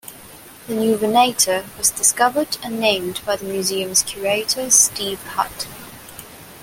The Neovenator was discovered and named by the museum's curator Steve Hutt.